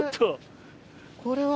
これは。